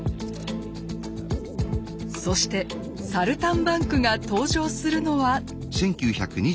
そして「サルタンバンク」が登場するのは。